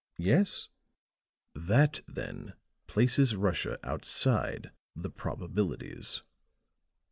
"Yes." "That then places Russia outside the probabilities.